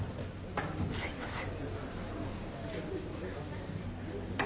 すいません。